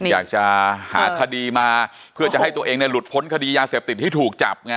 อยากจะหาคดีมาเพื่อจะให้ตัวเองหลุดพ้นคดียาเสพติดที่ถูกจับไง